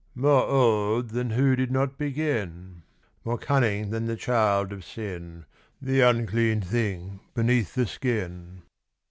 " More old than who did not begin, More cunning than the child of sin, The unclean thing beneath the skin.